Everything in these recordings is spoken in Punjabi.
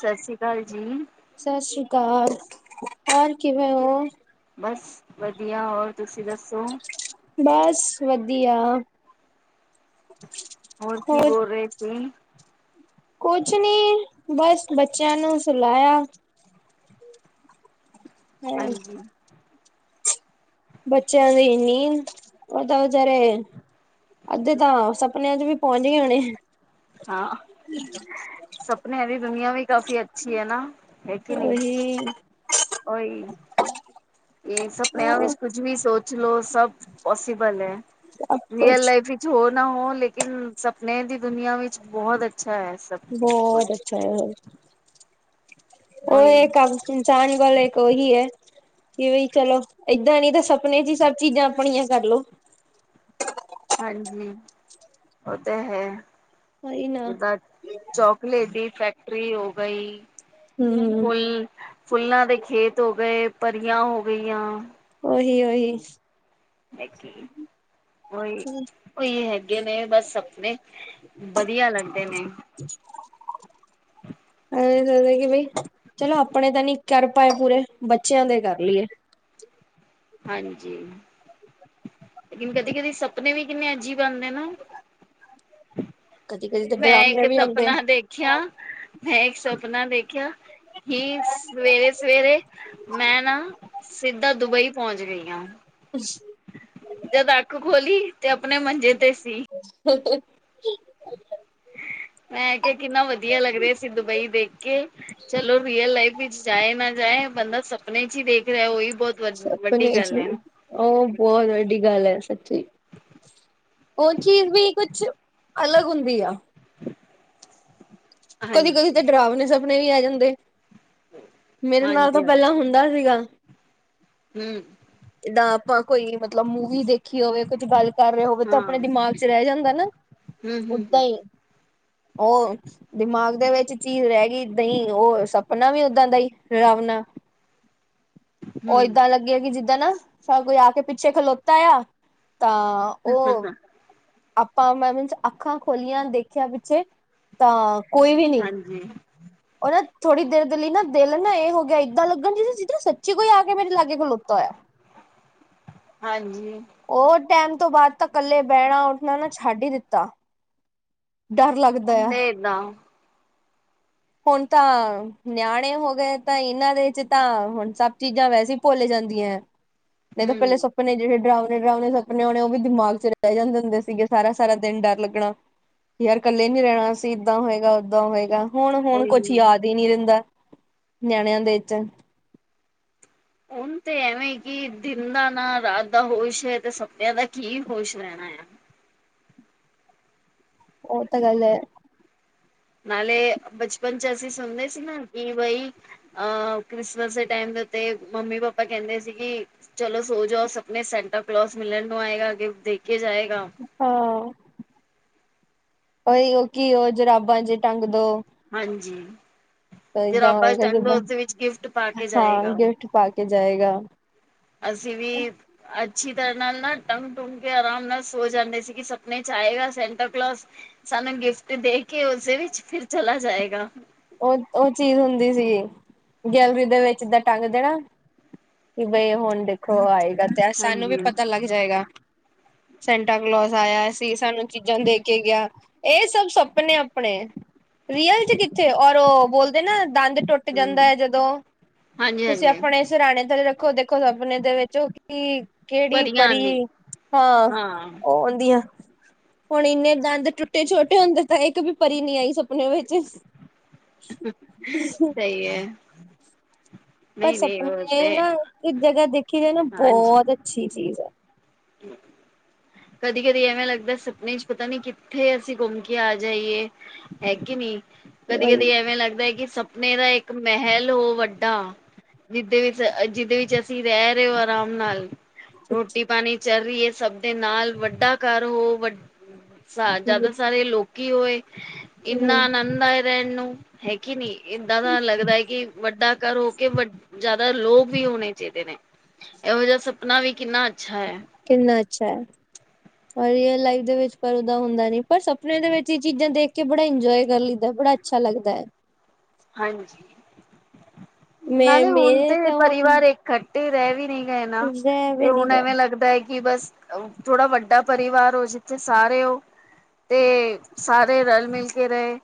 ਸੱਸੀ ਅਕਾਲ ਜੀ! ਸਤਿ ਸ੍ਰੀ ਅਕਾਲ! ਹੋਰ ਕਿਵੇਂ ਓ? ਬਸ, ਵਧੀਆ! ਹੋਰ ਤੁਸੀਂ ਦੱਸੋ? ਬਾਸ, ਵਧੀਆ! ਹੋਰ ਕੀ ਬੋਲ ਰਹੇ ਸੀ? ਕੁਛ ਨੀ, ਬਸ ਬੱਚਿਆਂ ਨੂੰ ਸੁਲਾਇਆ। ਹੈ। ਹਾਂਜੀ। ਬੱਚਿਆਂ ਦੀ ਨੀਂਦ, ਉਹ ਤਾਂ ਵਿਚਾਰੇ ਅੱਧੇ ਤਾਂ ਸਪਨਿਆਂ ਚ' ਵੀ ਪਹੁੰਚ ਗ ਹੋਣੇ। ਹਾਂ। ਸਪਨਿਆਂ ਦੀ ਦੁਨੀਆਂ ਵੀ ਕਾਫ਼ੀ ਅੱਛੀ ਹੈ ਨਾ। ਇਥੇ ਨੀ। ਓਹੀ। ਉਹੀ ਇਹ ਸਪਨਿਆਂ ਵਿੱਚ ਹੋਰ ਕੁਝ ਵੀ ਸੋਚ ਲੋਓ ਸਭ ਪਸੀਬਲ ਹੈ। ਸਭ ਰੀਅਲ ਕੁਛ ਲਾਈਫ ਵਿੱਚ ਹੋ ਨਾ ਹੋ ਲੇਕਿਨ ਸਪਨੇ ਦੀ ਦੁਨੀਆਂ ਵਿੱਚ ਬਹੁਤ ਅੱਛਾ ਹੈ ਸਭ। ਬਹੁਤ ਕੁਛ ਅੱਛਾ ਹੈ। ਉਹ ਉਹੀ ਇਹ ਕੰਮ ਜਾਣ ਵਾਲੇ ਇੱਕ ਉਹੀ ਹੈ। ਕਿ ਬਈ ਚਲੋ, ਏਦਾਂ ਨੀ ਤਾਂ ਸਪਨੇ ਚ' ਹੀ ਸਭ ਚੀਜ਼ਾਂ ਆਪਣੀਆਂ ਕਰਲੋ। ਹਾਂਜੀ। ਉਹ ਤਾਂ ਹੈ। ਉਹੀ ਨਾ ਇਹਦਾ ਚੋਕਲਟ ਡ ਫੈਕਟਰੀ ਉਹਗਾ ਈ। ਹੂੰ ਫੁੱਲ- ਫੁੱਲਾਂ ਦੇ ਖੇਤ ਹੋ ਗਏ, ਪਰੀਆਂ ਹੋ ਗਈਆਂ। ਓਹੀ- ਓਹੀ। ਐ ਕੀ ਕੋਈ। ਉਹੀ ਹੈਗੇ ਨੇ ਬਸ ਸਪਨੇ, ਵਧੀਆ ਲੱਗਦੇ ਨੇ। ਐ ਲਗਦਾ ਕਿ ਬਈ, ਚਲੋ ਆਪਣੇ ਤਾਂ ਨੀ ਕਰ ਪਾਏ ਪੂਰੇ, ਬੱਚਿਆਂ ਦੇ ਕਰ ਲਈਏ। ਹਾਂਜੀ। ਕਦੀ- ਕਦੀ ਸਪਨੇ ਵੀ ਕਿੰਨੇ ਅਜੀਬ ਆਂਦੇ ਐ ਨਾ। ਕਦੀ ਕਦੀ ਤਾਂ ਮੈਂ ਇੱਕ ਡਰਾਮਣੇ ਵੀ ਆਉਂਦੇ ਸਪਨਾ ਆ। ਦੇਖਿਆ, ਮੈਂ ਇੱਕ ਸਪਨਾ ਦੇਖਿਆ। ਹੀ ਸਵੇਰੇ -ਸਵੇਰੇ ਮੈਂ ਨਾ ਸਿੱਧਾ ਦੁਬਈ ਪਹੁੰਚ ਗਈ ਹਾਂ। ਜਦ ਅੱਖ ਖੋਲੀ, ਤੇ ਆਪਣੇ ਮੰਜੇ ਤੇ ਸੀ। ਹ-ਹਾਂ। ਮੈਂ ਕਿਹਾ ਕਿੰਨਾ ਵਧੀਆ ਲੱਗ ਰਿਹਾ ਸੀ ਦੁਬਈ ਦੇਖ ਕੇ, ਚਲੋ ਰੀਅਲ ਲਾਈਫ ਵਿੱਚ ਜਾਏ ਨਾ ਜਾਏ ਬੰਦਾ ਸਪਨੇ ਚ' ਹੀ ਦੇਖ ਰਿਹਾ ਉਹੀ ਬਹੁਤ ਵੱ ਸਪਨੇ ਵੱਡੀ ਗੱਲ ਜੀ। ਹੈ। ਉਹ ਬਹੁਤ ਵੱਡੀ ਗੱਲ ਹੈ ਸੱਚੀ। ਉਹ ਚੀਜ਼ ਵੀ ਕੁਛ ਅਲੱਗ ਹੁੰਦੀ ਆ। ਕਦੀ- ਕਦੀ ਹਾਂਜੀ, ਤਾਂ ਡਰਾਵਣੇ ਸਪਨੇ ਵੀ ਆ ਜਾਂਦੇ। ਮੇਰੇ ਨਾਲ ਤਾਂ ਹਾਂਜੀ, ਪਹਿਲਾਂ ਹੁੰਦਾ ਸੀਗਾ। ਹੂ ਦਾਂ ਆਪਾਂ ਕੋਈ ਮਤਲਬ ਮੂਵੀ ਦੇਖੀ। ਕੀ ਹੋਵੇ ਕੁੱਝ ਗੱਲ ਕਰ ਰਹਾ ਹੋਵੇ ਤਾਂ ਹਾਂ ਆਪਣੇ ਦਿਮਾਗ ਚ' ਰਹਿ ਜਾਂਦਾ ਨਾ ਹੂੰ, ਓਦਾਂ ਹੂੰ, ਹੀ। ਉਹ ਦਿਮਾਗ ਦੇ ਵਿੱਚ ਚੀਜ਼ ਰਹਿ ਗਈ ਦਹੀਂ ਉਹ ਸਪਨਾ ਵੀ ਓਦਾਂ ਦਾ ਹੀ ਡਰਾਵਣਾ। [inaudible] ਉਹ ਹੂੰ, ਏਦਾਂ ਲੱਗੇ ਆ ਕਿ ਜਿੱਦਾਂ ਨਾ, ਸਾਰ ਕੋਈ ਆ ਕੇ ਪਿੱਛੇ ਖਲੋਤਾ ਆ। ਤਾਂ ਉਹ ਹਾ-ਹਾ ਆਪਾਂ ਮੈਂਨ ਅੱਖਾਂ ਖੋਲੀਆਂ ਦੇਖਿਆ ਪਿੱਛੇ ਤਾਂ ਕੋਈ ਵੀ ਨੀ ਹਾਂਜੀ। ਉਹ ਨਾ ਥੋੜ੍ਹੀ ਦੇਰ ਦੇ ਲਈ ਨਾ ਦਿਲ ਨਾ ਇਹ ਹੋ ਗਿਆ ਇਏਦਾਂ ਲੱਗਣ ਜ ਚਾਂ ਸੱਚੀ ਕੋਈ ਆ ਕੇ ਮੇਰੇ ਲਾਗੇ ਖਲੋਤਾ ਹੋਇਆ। ਹਾਂਜੀ। ਉਹ ਟੈਮ ਤੋਂ ਬਾਅਦ ਤਾਂ ਇਕੱਲੇ ਬਹਿਣਾ- ਉੱਠਣਾ ਨਾ ਛੱਡ ਹੀ ਦਿੱਤਾ। ਡਰ ਲੱਗਦਾ ਆ। ਕਿੱਦਾਂ ਹੁਨ ਤਾਂ ਨਿਆਣੇ ਹੋ ਗਏ, ਤਾਂ ਏਹਨਾਂ ਦੇ ਚ ਤਾਂ ਹੁਨ ਸਭ ਚੀਜ਼ਾਂ ਵੈਸੇ ਹੀ ਭੁੱਲ ਜਾਂਦੀਆਂ ਏ। [inaudible] ਨਈ ਤਾਂ ਪਹਿਲੇ ਸ ਸਪਨੇ ਜੇਹੜੇ ਡਰਾਵਨੇ-ਡਰਾਵਨੇ ਸਪਨੇ ਹੋਨੇ, ੳ ਵੀ ਦਿਮਾਗ ਚ ਰੇਅ ਜਾਂਦੇ ਹੁੰਦੇ ਸੀਗੇ, ਸਾਰਾ-ਸਾਰਾ ਦਿਨ ਡਰ ਲੱਗਨਾ। ਯਾਰ ਕੱਲੇ ਨੀ ਰਹਿਨਾ ਅਸੀ, ਏਦਾਂ ਹੋਏਗਾ ਓਦਾਂ ਹੋਏਗਾ। ਹੁਨ-ਹੁਨ ਉਹੀ ਕੁਛ ਹੁਣ ਯਾਦ ਈ ਨੀ ਰਹਿੰਦਾ, ਨਿਆਣਿਆਂ ਦੇ ਵਿੱਚ ਹੁਨ ਤੇ ਐਵੇਂ ਕਿ ਦਿਨ ਦਾ ਨਾ, ਰਾਤ ਦਾ ਹੋਸ਼ ਹੈ ਤੇ ਸਪਨੇਆਂ ਦਾ ਕੀ ਹੋਸ਼ ਰਹਿਨਾ ਆ। ਓ ਤਾਂ ਗੱਲ ਏ ਨਾਲੇ ਬਚਪਨ ਚ ਅਸੀਂ ਸੁਨਦੇ ਸੀ, ਨਾ ਕਿ ਬਈ ਅ ਕ੍ਰਿਸਮਸ ਦੇ ਟੈਮ ਦੇ ਉੱਤੇ ਮੰਮੀ ਪਾਪਾ ਕਹਿੰਦੇ ਸੀ ਕਿ ਚਲੋ ਸੋ ਜਾਓ, ਸਪਨੇ ਚ ਸੈਂਟਾ ਕਲੋਸ ਮਿਲਨ ਨੂੰ ਆਏਗਾ ਗਿਫ਼੍ਟ ਦੇਕੇ ਜਾਏਗਾ। ਹਾਂ, ਓਈਓ ਕੀ ਓ ਜਰਾਬਾਂ ਚ ਟੰਗ ਦੋ ਹਾਂਜੀ, ਏਦਾਂ ਜਰਾਬਾ ਚ ਹੋਏਗਾ ਟੰਗ ਦੋ, ਜਿੱਦਾਂ ਉਸਦੇ ਵਿੱਚ ਗਿਫਟ ਪਾ ਕੇ ਜਾਏਗਾ। ਪਾਕੇ ਜਾਏਗਾ। ਅਸੀਂ ਵੀ ਅੱਛੀ, ਤਰ੍ਹਾਂ ਨਾਲ ਨਾ ਟੰਗ-ਟੂਗ ਕੇ ਆਰਾਮ ਨਾਲ ਸੋ ਜਾਂਦੇ ਸੀ, ਕਿ ਸਪਨੇ ਚ ਆਏਗਾ। ਸੈਂਟਾ ਕਲੋਜ ਸਾਨੂੰ ਗਿਫਟ ਦੇ ਕੇ ਉਸਦੇ ਵਿੱਚ ਫਿਰ ਚਲਾ ਜਾਏਗਾ। ਓ-ਓ ਚੀਜ਼ ਹੁੰਦੀ ਸੀਗੀ, ਗੈਲਰੀ ਦੇ ਵਿੱਚ ਏਦਾਂ ਟੰਗ ਦੇਨਾ ਕਿ ਬਈ ਹੁਨ ਦੇਖੋ ਆਏਗਾ, ਤੇ ਸਾਨੂੰ ਵੀ ਹਾਂਜੀ ਪਤਾ ਲੱਗ ਜਾਏਗਾ। ਸੈਂਟਾ ਕਲੋਜ ਆਏਆ ਸੀ, ਸਾਨੂੰ ਚੀਜ਼ਾਂ ਦੇ ਕੇ ਗੇਆ, ਇਹ ਸਭ ਸਪਨੇ ਆਪਨੇ ਰੀਅਲ ਚ ਕਿੱਥੇ ਔਰ, ਓ ਬੋਲਦੇ ਨਾ ਦੰਦ ਟੁੱਟ ਟੁੱਟ ਹੂੰ ਜਾਂਦਾ ਏ, ਜਦੋਂ ਹਾਂਜੀ ਤੁਸੀਂ ਹਾਂਜੀ ਆਪਨੇ ਸਰਾਨੇ ਥੱਲੇ ਰੱਖੋ, ਦੇਖੋ ਸੁਪਨੇ ਦੇ ਵਿੱਚ ਓ ਕਿ ਕੇੜੀ ਪਰੀਆਂ ਆਂਦੀ ਪਰੀ ਹਾਂ ਹਾਂ-ਓ ਆਦੀਆਂ ਹੁਨ ਇੰਨੇ ਦੰਦ ਟੁੱਟੇ ਛੋਟੇ ਹੁੰਦੇ, ਤਾਂ ਇੱਕ ਵੀ ਪਰੀ ਨੀ ਆਈ ਸੁਪਨੇ ਵਿੱਚ ਸਹੀ ਐ ਪਰ ਸਪਨੇ ਨਾ ਇੱਕ ਜਗ੍ਹਾ ਦੇਖੀ ਜਾਏ ਨਾ, ਹਾਂਜੀ ਬਹੁਤ ਅੱਛੀ ਚੀਜ਼ ਆ। [inaudible] ਕਦੀ-ਕਦੀ ਐਵੇਂ ਲੱਗਦਾ ਸੁਪਨੇ ਚ ਪਤਾ ਨੀ, ਕਿੱਥੇ ਅਸੀਂ ਘੁੰਮ ਕੇ ਆ ਜਾਈਏ। ਹੈਂ ਕੀਂ ਨੀ ਵਹੀ ਕਦੀ-ਕਦੀ ਐਵੇਂ ਲੱਗਦਾ ਕਿ ਸਪ ਮੇਰਾ ਇੱਕ ਮੇਹਲ ਹੋ ਵੱਡਾ ਜਿਦੇ ਵਿੱਚ-ਜਿਦੇ ਵਿੱਚ ਅਸੀਂ ਰੇਅ ਰਏਓ ਆਰਾਮ ਨਾਲ ਰੋਟੀ ਪਾਨੀ ਚੱਲ ਰਹੀਏ, ਸਭ ਦੇ ਨਾਲ ਵੱਡਾ ਘਰ ਹੋ, ਵਡ ਸਾ ਜਿਆਦਾ ਸਾਰੇ ਲੋਕੀ ਹੋਏ, ਇੰਨਾ ਆਨੰਦ ਆਏ ਰਹਿਨ ਨੂੰ ਹੈਂ ਕੀਂ ਨੀ ਏਦਾਂ ਦਾ ਲੱਗਦਾ ਐ, ਕਿ ਵੱਡਾ ਘਰ ਹੋਕੇ ਵੱਡ ਜਿਆਦਾ ਲੋਕ ਵੀ ਹੋਨੇ ਚਾਹੀਦੇ ਨੇ, ਏਹੋ ਜੇਹਾ ਸਪਨਾ ਵੀ ਕਿੰਨਾ ਅੱਛਾ ਐ। ਕਿੰਨਾ ਅੱਛਾ ਐ। ਰੇਅਲ ਲਾਈਫ ਦੇ ਵਿੱਚ ਪਰ ਉਦਾ ਹੁੰਦਾ ਨੀ, ਪਰ ਸਪੇਨੇ ਦੇ ਵਿੱਚ ਹੀ ਚੀਜ਼ਾਂ ਦੇਖ ਕੇ ਬੜਾ ਇੰਜੋਏ ਕਰ ਲੈਈਦਾ ਬੜਾ ਅੱਛਾ ਲੱਗਦਾ ਐ ਹਾਂਜੀ, ਮੈਂ ਨਾਲੇ ਹੁਨ ਤੇ ਮੇਰੇ ਤਾਂ ਹੁਣ ਪਰਿਵਾਰ ਏਕ ਕਠੇ ਰੇਅ ਵੀ ਨੀ ਗਏ ਨਾ, ਰਹਿ ਤੇ ਵੀ ਨੀ ਹੁਨ ਐਵੇਂ ਗਏ ਲੱਗਦਾ ਐ ਕਿ ਬਸ ਥੋੜਾ ਵੱਡਾ ਪਰਿਵਾਰ ਹੋ, ਜਿੱਥੇ ਸਾਰੇ ਓ ਤੇ ਸਾਰੇ ਰਲ ਮਿਲਕੇ ਰੇਅ,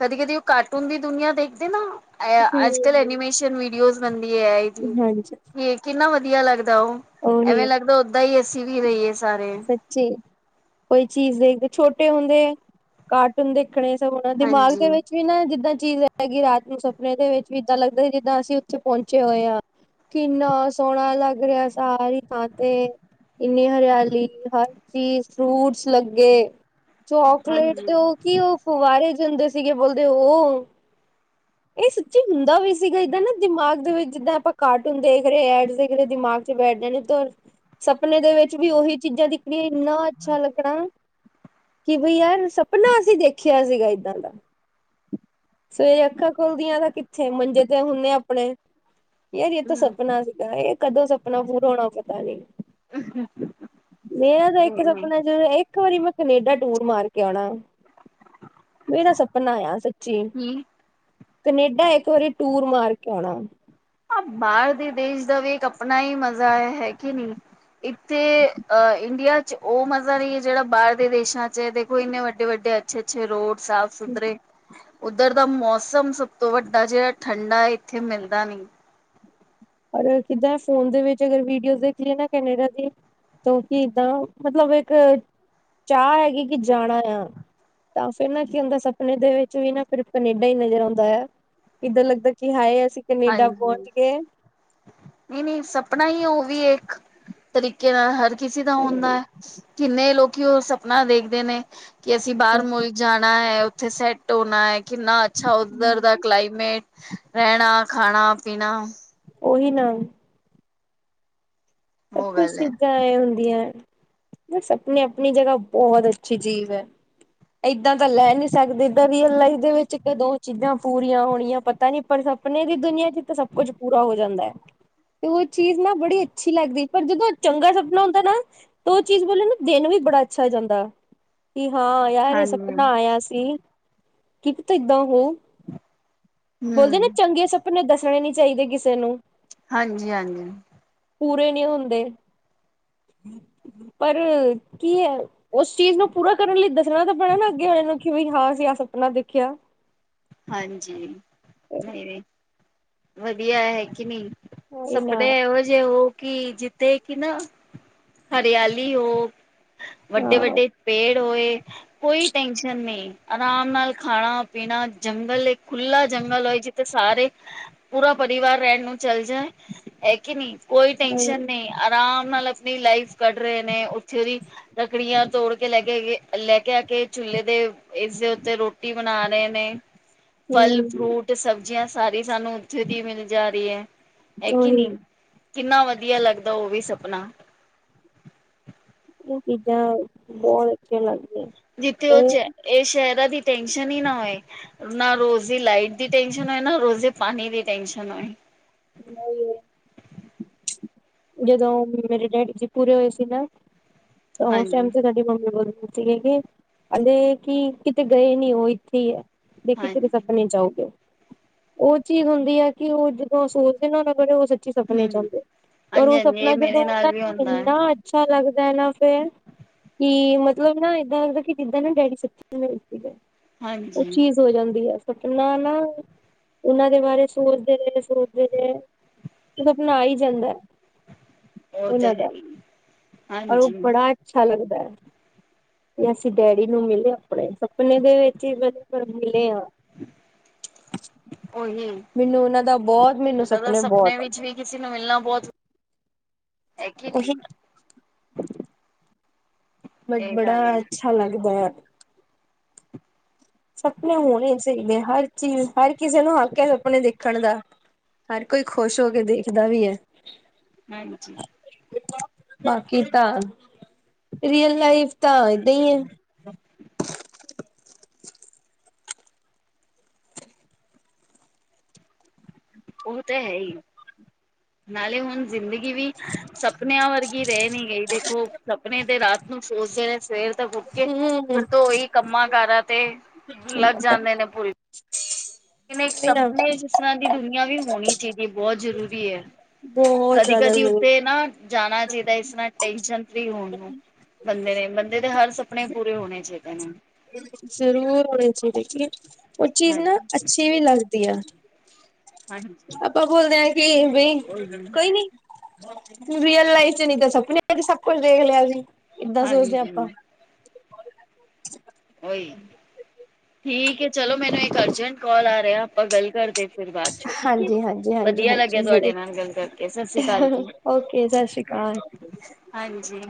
ਕਦੀ-ਕਦੀ ਓ ਕਾਰਟੂਨ ਦੀ ਦੁਨੀਆਂ ਦੇਖ ਫੇਰ ਨਾ ਅ ਅੱਜ-ਕੱਲ ਐਨੀਮੇਸ਼ਨ ਵੀਡੀਓਜ਼ ਬਣਦੀ ਐ, ਐ ਈ ਹਮ ਹਾਂਜੀ ਤੇ - ਕਿੰਨਾ ਵੱਧੀਆ ਲੱਗਦਾ ਓ, ਐਵੇਂ ਉਹੀ ਲੱਗਦਾ ਓਦਾਂ ਈ ਅੱਸੀਂ ਵੀ ਰਈਏ ਸਾਰੇ। ਜੀ ਕੋਈ ਚੀਜ਼ ਵੇਖਦੇ ਛੋਟੇ ਹੁੰਦੇ ਕਾਰਟੂਨ ਦੇ ਲੇਕਿਨ ਏ ਸਭ ਹੋਨਾ ਦਿਮਾਗ ਹਾਂਜੀ ਦੇ ਵਿੱਚ- ਵੀ ਨਾ ਜਿੱਦਾਂ ਚੀਜ਼ ਹੈਗੀ ਰਾਤ ਨੂੰ ਸੁਪਨੇ ਦੇ ਵਿੱਚ ਵੀ ਇੱਦਾਂ ਲੱਗਦਾ, ਜਿੱਦਾਂ ਅਸੀਂ ਓਥੇ ਪੋਂਚੇ ਹੋਏ ਆ। ਕਿੰਨਾ ਸੋਹਣਾ ਲੱਗ ਰੇਹਾ ਸੀ। ਸਾਰੀ ਥਾਂ ਤੇ ਇੰਨੀ ਹਰਿਆਲੀ, ਹਰ ਚੀਜ਼ ਫਰੂਟਸ ਲੱਗੇ ਚੋਕਲੇਟ ਹਾਂਜੀ ਦੇ ਉਹ ਕੀ ਉਹ ਫੁਵਾਰੇ ਜਾਂਦੇ ਸੀਗੇ ਬੋਲਦੇ ਓ ਏ ਸੱਚੀ ਹੁੰਦਾ ਵੀ ਸੀਗਾ ਇੱਦਾਂ ਨਾ ਦਿਮਾਗ ਦੇ ਵਿੱਚ ਜਿੱਦਾਂ ਆਪਾਂ ਕਾਰਟੂਨ ਦੇਖ ਰਹੇ ਆ, ਐਡ ਦੇਖ ਰਹੇ ਦਿਮਾਗ- ਜੇ ਬੈਠ ਜਾਣੇ ਕੋਲ ਸਪਨੇ ਦੇ ਵਿੱਚ ਵੀ ਓਹੀ ਚੀਜ਼ਾਂ ਦਿਖਣੀਆਂ ਇੰਨਾ ਅੱਛਾ ਲੱਗਣਾ- ਕਿ ਬਈ ਯਾਰ ਸਪਨਾ ਅਸੀਂ ਦੇਖਿਆ ਸੀਗਾ ਏਦਾਂ ਦਾ। ਸਵੇਰੇ ਅੱਖਾਂ ਖੁੱਲਦੀਆਂ ਤਾਂ ਕਿੱਥੇ ਮੰਜੇ ਤੇ ਹੁੰਨੇ ਆਪਣੇ। ਯਾਰ ਏ ਤਾਂ ਹਮ ਸਪਨਾ ਸੀਗਾ, ਏ ਕਦੋਂ ਸਪਨਾ ਪੂਰਾ ਹੋਣਾ ਪਤਾ ਨੀ। ਮੇਰਾ ਤਾਂ ਇੱਕ ਨਹੀਂ ਨਹੀਂ ਸਪਨਾ ਚ ਏ, ਈ ਇੱਕ ਵਾਰੀ ਮੈਂ ਕਨੇਡਾ ਟੂਰ ਮਾਰ ਕੇ ਔਣਾ, ਮੇਰਾ ਸਪਨਾ ਆ ਸ ਜੀ, ਕੀ ਕਨੇਡਾ ਇੱਕ ਵਾਰੀ ਟੂਰ ਮਾਰ ਕੇ ਔਣਾ। ਬਾਰ ਦੇ ਦੇਸ਼ ਦਾ ਵੀ ਇੱਕ ਆਪਣਾ ਈ ਮਜ਼ਾ ਹੈ ਕੇ ਨਈ। ਇੱਥੇ ਅਹ ਇੰਡੀਆ ਚ ਉਹ ਮਜ਼ਾ ਨਈ ਐ ਜੇੜਾ ਬਾਹਰ ਦੇ ਦੇਸ਼ਾ ਚ ਦੇਖੋ ਇੰਨੇ ਵੱਡੇ- ਵੱਡੇ ਅੱਛੇ -ਅੱਛੇ ਰੋਡ ਸਾਫ਼ ਸੁਥਰੇ ਉੱਧਰ ਦਾ ਮੌਸਮ ਸਭ ਤੋਂ ਵੱਡਾ ਜੇੜਾ ਠੰਡਾ ਇੱਥੇ ਮਿਲਦਾ ਨੀ। ਔਰ ਕਿੱਦਾਂ ਫੋਨ ਦੇ ਵਿੱਚ ਅਗਰ ਵੀਡੀਓ ਦੇਖ ਲਈਏ ਨਾ ਕੈਨੇਡਾ ਦੀ ਤਾ ਕੀ ਏਦਾਂ, ਮਤਲਬ ਇੱਕ ਚਾ ਹੈਗੀ ਕਿ ਜਾਣਾ ਆ ਤਾਂ ਫਿਰ ਨਾ ਕੀ ਹੁੰਦਾ ਸਪਨੇ ਦੇ ਵਿੱਚ ਵੀ ਨਾ ਫਿਰ ਕਨੇਡਾ ਈ ਨਜ਼ਰ ਆਂਦਾ ਆ। ਕਿੱਦਾਂ ਲੱਗਦਾ ਕਿ ਹਾਏ ਅਸੀ ਹਾਂਜੀ, ਨਈ -ਨਈ ਸਪਨਾ ਈ ਓ ਵੀ ਇੱਕ ਤਰੀਕੇ ਨਾਲ ਹਰ ਕਿਸੀ ਦਾ ਹੁੰਦਾ ਆ, ਕਿੰਨੇ ਲੋਕੀ ਓ ਸਪਨਾ ਵੇਖਦੇ ਨੇ। ਕਿ ਅਸੀਂ ਬਾਰ ਮੁਲਕ ਜਾਣਾ ਐ, ਉੱਥੇ ਸੈਟ ਹੋਣਾ ਆ, ਕਿੰਨਾ ਅੱਛਾ ਓਧਰ ਦਾ ਕਲਾਈਮੇਟ, ਰੈਣਾ ਖਾਣਾ- ਪੀਣਾ ਓਹੀ ਨਾ। ਸਭ ਉਹ ਕੁਛ ਗੱਲ ਹੈ। ਚੀਜ਼ਾਂ ਐ ਹੁੰਦੀਆਂ, ਬਸ ਆਪਣੀ -ਆਪਣੀ ਜਗ੍ਹਾ ਬੋਹਤ ਅੱਛੀ ਚੀਜ਼ ਐ। ਏਦਾਂ ਤਾਂ ਲੈ ਨਈ ਸਕਦੇ, ਏਦਾਂ ਰੀਅਲ ਲਾਈਫ ਦੇ ਵਿੱਚ ਕਦੋਂ ਚੀਜ਼ਾਂ ਪੂਰੀਆਂ ਹੋਣੀਆਂ ਪਤਾ ਨੀ ਪਰ ਸਭ। ਆਪਣੇ ਦੀ ਦੁਨੀਆਂ ਚ ਤਾਂ ਸਭ ਕੁੱਝ ਪੂਰਾ ਹੋ ਜਾਂਦਾ, ਤੇ ਓਹ ਚੀਜ਼ ਨਾ ਬੜੀ ਅੱਛੀ ਲੱਗਦੀ, ਪਰ ਜਦੋਂ ਚੰਗਾ ਸਪਨਾ ਆਂਦਾ ਨਾ ਤਾਂ, ਓਹ ਚੀਜ਼ ਮਤਲਬ ਨਾ ਦਿਨ ਵੀ ਬੜਾ ਅੱਛਾ ਜਾਂਦਾ। ਕਿ ਹਾਂ ਯਾਰ ਏ ਹਾਂਜੀ ਸਪਨਾ ਆਇਆ ਸੀ ਕਿ ਪਤਾ ਏਦਾ ਹੋਓ। ਬੋਲਦੇ ਨਾ ਹੂੰ ਚੰਗੇ ਸਪਨੇ ਦੱਸਣੇ ਨੀ ਚਾਈਦੇ ਕਿਸੇ ਨੂੰ ਹਾਂਜੀ- ਹਾਂਜੀ। ਪੂਰੇ ਨੀ ਹੁੰਦੇ, ਪਰ ਕੀ ਐ ਓਸ ਚੀਜ਼ ਨੂੰ ਪੂਰਾ ਕਰਨ ਲਈ ਦੱਸਣਾ ਤਾਂ ਪੈਣਾ ਨਾ ਅੱਗੇ ਵਾਲੇ ਨੂੰ ਕਿ ਵਈ ਹਾ ਅਸੀ ਆ ਸਪਨਾ ਦੇਖਿਆ। ਹਾਂਜੀ, ਨਈ ਵੱਧੀਆ ਹੈ ਕਿ ਨਈ ਇਹ ਨਾ ਸਪਨੇ ਓ, ਏ ਜੇ, ਓ, ਕਿ ਜਿੱਦੇ ਕਿ ਨਾ ਹਰਿਆਲੀ ਹੋ ਵੱਡੇ ਹਾਂ -ਵੱਡੇ ਪੇੜ ਹੋਏ ਕੋਈ ਟੈਨਸ਼ਨ ਨਈ ਆਰਾਮ ਨਾਲ ਖਾਣਾ -ਪੀਣਾ ਜੰਗਲ ਇੱਕ ਖੁਲਾ ਜੰਗਲ ਹੋਏ ਜਿੱਥੇ ਸਾਰੇ ਪੂਰਾ ਪਰਿਵਾਰ ਰੈਣ ਨੂੰ ਚੱਲ ਜਾਏ ਹੈ ਕਿ ਨਈ, ਕੋਈ ਟੈਸ਼ਨ ਹੂੰ ਨਈ। ਆਰਾਮ ਨਾਲ ਆਪਣੀ ਲਾਈਫ ਕੱਢ ਰਏ ਨੇ ਓਥੇ ਦੀ ਲੱਕੜੀਆਂ ਤੋੜ ਕੇ ਲੈ, ਕੇ, ਆਈਏ ਲੈ, ਕੇ, ਆ ਕੇ, ਚੁੇਲੇ ਤੇ ਇਸਦੇ ਉੱਤੇ ਰੋਟੀ ਬਨਾ ਰਏ ਨੇ। ਫਲ ਫਰੂਟ ਸਬਜ਼ੀਆਂ ਸਾਰੀ ਸਾਨੂੰ ਓਥੇ ਦੀ ਮਿਲ ਜਾ ਰਈ ਐ ਕੇ ਉਹੀ ਨਈਂ। ਇਹ ਕਿੰਨਾ ਵਦੀਆ ਲੱਗਦਾ ਓ ਵੀ ਸਪਨਾ। ਕੁਝ ਚੀਜ਼ਾਂ ਬੋਤ ਅੱਛੀਆਂ ਲੱਗਦੀਆਂ। ਜਿੱਥੇ ਓ ਚ ਐ ਸ਼ੈਰਾਂ ਦੀ ਟੈਂਨਸ਼ਨ ਈ ਨਾ ਹੋਏ। ਨਾ ਰੋਜ਼ ਦੀ ਲਾਈਟ ਦੀ ਟੈਨਸ਼ਨ ਹੋਏ ਨਾ ਰੋਜ਼ ਦੀ ਪਾਨੀ ਦੀ ਟੈਨਸ਼ਨ ਹੋਏ। ਲਾਈ ਓਏ ਜਦੋਂ ਮੇਰੇ ਡੈਡੀ ਜੀ ਪੂਰੇ ਹੋਏ ਸੀ ਨਾ ਓਸ ਟਾਈਮ ਹਾਂਜੀ। ਤੇ ਸਾਡੀ ਮੰਮੀ ਬੜਾ ਰੋਈ। ਸੀਗੇ ਆਂਦੇ ਕੇ ਕਿਤੇ ਗਏ ਨੀ ਓ ਇੱਥੇ ਈ ਐ। ਦੇਖੀ ਤੇਰੇ ਹਾਂਜੀ, ਸਪਨੇ ਚ ਆਉਗੇ, ਓ ਚੀਜ਼ ਹੁੰਦੀ ਐ ਕੇ ਓ ਜ ਓ ਸੋਚਦੇ ਨਾ ਓ ਫੇਰ ਸੱਚੀ ਸਪਨੇ ਚ ਹੂੰ, ਔਂਦੇ, ਪਰ ਓ ਹਾਂਜੀ-ਹਾਂਜੀ ਸਪਨਾ ਇਹ ਮੇਰੇ ਜਦੋਂ ਨਾਲ ਔਂਦਾ ਵੀ ਨਾ ਹੁੰਦਾ ਹੈ, ਏਨਾ ਅੱਛਾ ਲੱਗਦੈ ਨਾ ਫੇਰ। ਕੀ ਮਤਲਬ ਨਾ ਏਦਾਂ ਲੱਗਦੈ ਕੇ ਜਿੱਦਾਂ ਨਾ ਡੈਡੀ ਸੱਚੀ ਮੈਨੂੰ ਮਿਲਕੇ ਗਏ। ਓ ਹਾਂਜੀ। ਚੀਜ਼ ਹੋ ਜਾਂਦੀ ਐ ਸਪਨਾ ਨਾ ਓਨਾਂ ਦੇ ਬਾਰੇ ਸੋਚਦੇ ਰਏ। ਸੋਚਦੇ ਰਏ, ਸਪਨਾ ਆ ਈ ਜਾਂਦੈ। ਉਹ ਤਾਂ ਓਨਾਂ ਹੈ ਦਾ, ਹੀ, ਔਰ ਓ ਹਾਂਜੀ। ਬੜਾ ਅੱਛਾ ਲੱਗਦੈ। ਵੀ ਅਸੀਂ ਡੈਡੀ ਨੂੰ ਮਿਲੇ ਅਪਨੇ ਸਪਨੇ ਦੇ ਵਿੱਚ ਈ ਵਦੀਆ ਮਿਲੇ ਆ। ਓਹੀ ਬੋਤ ਮੈਨੂੰ ਸਪਨੇ ਬੋਤ ਆਂਦੇ। ਕਿਸੀ ਨੂੰ ਮਿਲਨਾ ਬੋਤ ਹੈ ਕੀ ਉਹੀ ਨਈ। ਬਟ ਇਹ ਗੱਲ ਬੜਾ ਹੈ, ਅੱਛਾ ਲੱਗਦੈ। ਸਪਨਾ ਹੋਨਾ ਚਾਈਦੈ ਹਰ ਚੀਜ਼ ਹਰ ਕਿਸੇ ਨੂੰ ਹੱਕ ਐ ਸਪਨੇ ਦੇਖਨ ਦਾ। ਹਰ ਕੋਈ ਖੁਸ਼ ਹੋ ਕੇ ਦੇਖਦਾ ਵੀ ਐ। ਹਾਂਜੀ। ਬਾਕੀ ਤਾਂ, ਰੀਅਲ ਲਾਈਫ ਤਾਂ ਏਦਾਂ ਈ ਐ। [inaudible] ਓ ਤਾਂ ਹੈ ਈ, ਨਾਲੇ ਹੁਨ ਜ਼ਿੰਦ ਜਿੰਦਗੀ ਵੀ ਸਪਨਿਆਂ ਵਰਗੀ ਰੈ ਨੀ ਗਈ, ਦੇਖੋ ਸਪਨੇ ਦੇ ਰਾਤ ਨੂੰ ਸੋਚਦੇ ਰਏ ਸਵੇਰ ਤਾ ਉੱਠ ਕੇ ਹੂੰ ਫੇਰ ਤਾਂ ਓਈ ਕੰਮਾਂ ਕਾਰਾਂ ਤੇ ਲੱਗ ਜਾਂਦੇ ਨੇ ਭੁਲ [inaudible] ਲੇਕਿਨ ਇੱਕ ਕੋਈ ਨਾ ਸਪਨੇ ਚ ਇਸ ਤਰਾਂ ਦੀ ਦੁਨੀਆਂ ਵੀ ਹੋਨੀ ਚਈਦੀ ਏ ਬਹੁ ਜ਼ਰੂਰੀ ਐ। ਬਹੁਤ ਜ਼ਿਆਦਾ ਕਦੀ-ਕਦੀ ਜ਼ਰੂਰ ਉਤੇ ਨਾ ਜਾਨਾ ਚਾਈਦੈ ਇਸ ਤਰਾਂ ਟੈਨਸ਼ਨ ਫ੍ਰੀ ਹੋਨ ਨੂੰ, ਬੰਦੇ ਨੇ ਬੰਦੇ ਦੇ ਹਰ ਸਪਨੇ ਪੂਰੇ ਹੋਨੇ ਚਾਈਦੇ ਨੇ। ਜ਼ਰੂਰ ਹੋਨੇ ਚਾਈਦੇ ਜੀ, ਓ ਚੀਜ਼ ਨਾ ਹਾਂਜੀ ਅੱਛੀ ਵੀ ਲੱਗਦੀ ਐ। ਹਾਂਜੀ ਆਪਾਂ ਬੋਲਦੇ ਆਂ ਕੇ ਬਈ, ਉਹੀ ਕੋਈ ਨੀ। ਰੀਅਲ ਲਾਈਫ਼ ਚ ਨੀ ਤਾਂ ਸਪਨਿਆਂ ਚ ਸਬ ਕੁਛ ਦੇਖ ਲੇਆ ਅਸੀ, ਏਦਾਂ ਸੋਚਦੇ ਆਂ ਆਪਾਂ। ਹਾਂਜੀ ਓਈ ਠੀਕ ਏ ਚਲੋ, ਮੇਨੂੰ ਇੱਕ ਅਰਜੈਂਟ ਕੋਲ ਆ ਰਿਆ ਆਪਾਂ ਗੱਲ ਕਰਦੇ ਫਿਰ ਬਾਦ। ਅੱਛਾ ਠੀਕ ਏ, ਹਾਂਜੀ ਹਾਂਜੀ ਹਾਂਜੀ ਵਦੀਆ ਹਾਂਜੀ ਲੱਗੇਆ ਜ਼ਰੂਰ। ਤੁਆਡੇ ਨਾਲ ਗੱਲ ਕਰਕੇ ਸਸੀ ਕਾਲ ਜੀ। ਓਕੇ ਸਤਿ ਸ਼੍ਰੀ ਅਕਾਲ ਹਾਂਜੀ।